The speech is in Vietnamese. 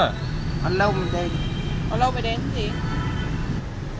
ở lâu mới đến ở lâu mới đến chứ gì